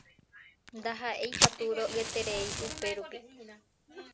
Ndaha'éikatu ro'yeterei upérupi.